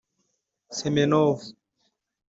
Semenov